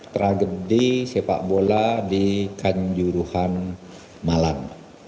tragedi sepak bola di kanjuruhan malang